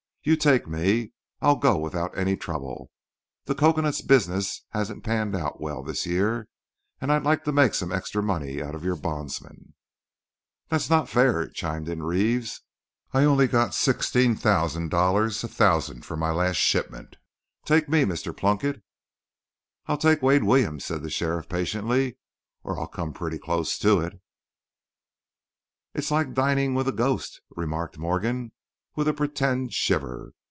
"You take me. I'll go without any trouble. The cocoanut business hasn't panned out well this year, and I'd like to make some extra money out of your bondsmen." "That's not fair," chimed in Reeves. "I got only $16 a thousand for my last shipment. Take me, Mr. Plunkett." "I'll take Wade Williams," said the sheriff, patiently, "or I'll come pretty close to it." "It's like dining with a ghost," remarked Morgan, with a pretended shiver.